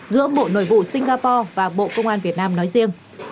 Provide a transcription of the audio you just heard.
giữa bộ nội vụ singapore và bộ công an việt nam nói riêng